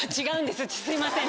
すいません